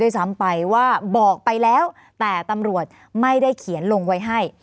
ซ้ำไปว่าบอกไปแล้วแต่ตำรวจไม่ได้เขียนลงไว้ให้